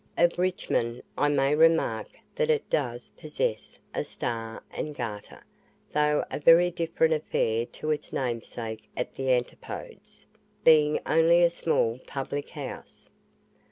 Of Richmond, I may remark that it does possess a "Star and Garter," though a very different affair to its namesake at the antipodes, being only a small public house.